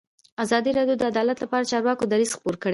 ازادي راډیو د عدالت لپاره د چارواکو دریځ خپور کړی.